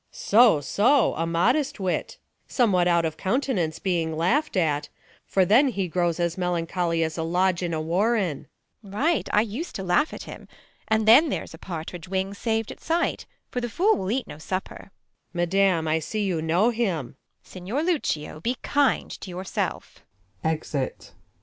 Luc. So, so ! a modest wit ! somewhat out of countenance Being laught at ; for then he grows as melancholy As a lodge in a warren. Beat. Right, I use to laugh at him. And then there's a partridge wing sav'd at night ; For the fool will eat no supper. Luc. Madam, I see you know him. Beat. Signior Lucio, be kind to your self